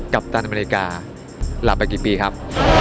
ปตันอเมริกาหลับไปกี่ปีครับ